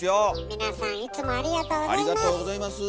皆さんいつもありがとうございます。